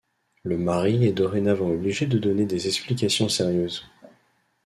Le mari est dorénavant obligé de donner des explications sérieuses.